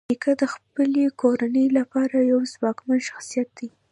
نیکه د خپلې کورنۍ لپاره یو ځواکمن شخصیت دی.